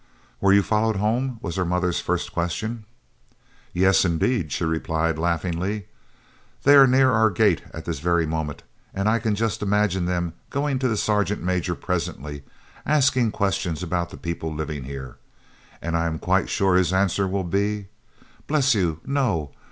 "Were you followed home?" was her mother's first question. "Yes, indeed," she replied, laughing; "they are near our gate at this very moment, and I can just imagine them going to the sergeant major presently, asking questions about the people living here. And I am quite sure his answer will be, 'Bless you, no.